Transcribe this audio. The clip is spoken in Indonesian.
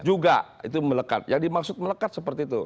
juga itu melekat yang dimaksud melekat seperti itu